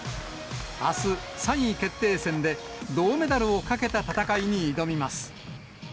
あす、３位決定戦で銅メダルをかけた戦いに挑みます。